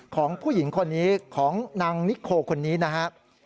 ของผู้หญิงคนนี้ของนางนิโคคนนี้นะครับ